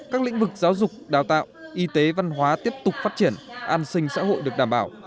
các lĩnh vực giáo dục đào tạo y tế văn hóa tiếp tục phát triển an sinh xã hội được đảm bảo